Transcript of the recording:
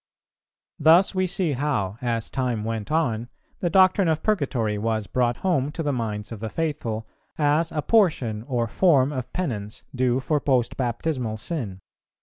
Thus we see how, as time went on, the doctrine of Purgatory was brought home to the minds of the faithful as a portion or form of Penance due for post baptismal sin.